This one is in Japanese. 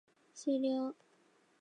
終了